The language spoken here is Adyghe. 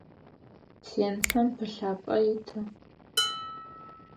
Сенцэм пылъапӏэ ита?